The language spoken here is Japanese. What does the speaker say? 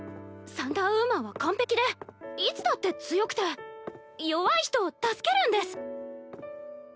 サンダーウーマンは完璧でいつだって強くて弱い人を助けるんです。